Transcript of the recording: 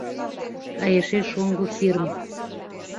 А эше шоҥго Хирм.